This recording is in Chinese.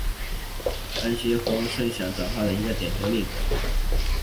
安息香缩合是羰基极性转换的一个典型例子。